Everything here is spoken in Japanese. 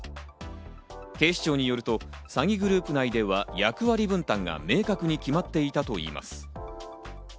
警視庁によると詐欺グループ内では役割分担が明確に決まっていたといいます。